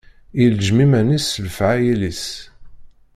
Ileǧǧem iman-is s lefɛayel-is.